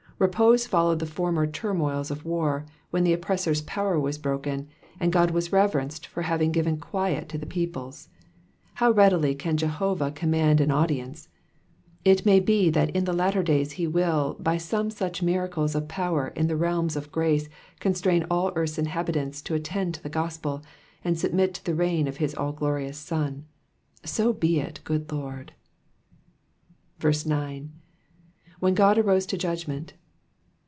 Repose followed the former turmoils of war, when the oppressor's power was broken, and God was reverenced for having given quiet to the peoples. How readily can Jehovah command an audience ! It may be that in the latter days he will, by some such miracles of power in the realms of grace, constrain all earth's inhabitants to attend to the gospel, and submit to the reign of his all glorious Son. So be it, good Lord. 9. When Ood arose to judgment.